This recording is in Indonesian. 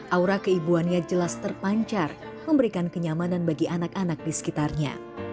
aura keibuannya jelas terpancar memberikan kenyamanan bagi anak anak di sekitarnya